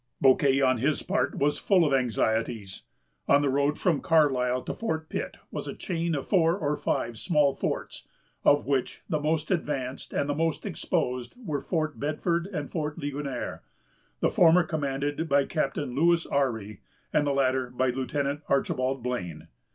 Bouquet, on his part, was full of anxieties. On the road from Carlisle to Fort Pitt was a chain of four or five small forts, of which the most advanced and the most exposed were Fort Bedford and Fort Ligonier; the former commanded by Captain Lewis Ourry, and the latter by Lieutenant Archibald Blane.